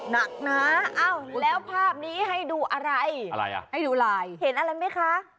หนักนะอ้าวแล้วภาพนี้ให้ดูอะไรให้ดูลายเห็นอะไรไหมคะ